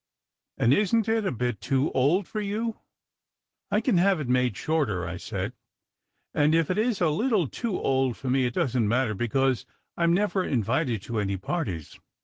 "And isn t it a bit too old for you?" "I can have it made shorter," I said. "And if it is a a little too old for me it doesn t matter, because I m never invited to any parties.